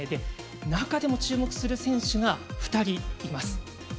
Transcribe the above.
中でも注目する選手が２人います。